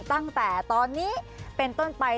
ตั้งแต่ตอนนี้เป็นต้นไป